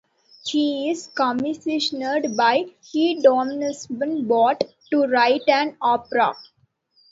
He is commissioned by Hedonismbot to write an opera.